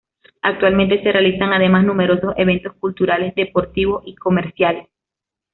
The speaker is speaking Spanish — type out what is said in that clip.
Actualmente, se realizan además numerosos eventos culturales, deportivos y comerciales.